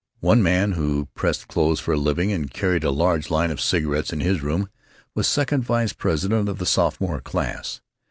One man, who pressed clothes for a living and carried a large line of cigarettes in his room, was second vice president of the sophomore class.